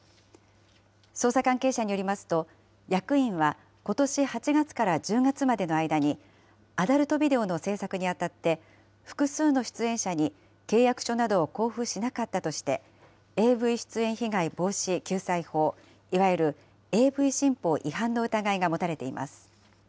捜査関係者によりますと、役員はことし８月から１０月までの間に、アダルトビデオの制作にあたって、複数の出演者に契約書などを交付しなかったとして、ＡＶ出演被害防止・救済法、いわゆるＡＶ新法違反の疑いが持たれています。